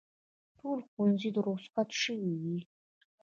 ټول ښوونځي روخصت شوي دي